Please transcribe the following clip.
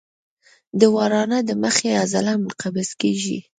د ورانه د مخې عضله منقبض کېږي.